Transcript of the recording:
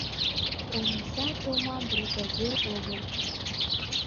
Ониса томам бригадир огыл.